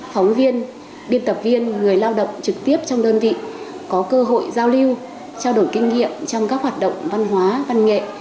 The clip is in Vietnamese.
phóng viên biên tập viên người lao động trực tiếp trong đơn vị có cơ hội giao lưu trao đổi kinh nghiệm trong các hoạt động văn hóa văn nghệ